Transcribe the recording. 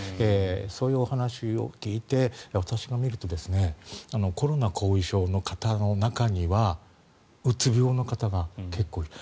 そういうお話を聞いて私が診るとコロナ後遺症の方の中にはうつ病の方が結構いる。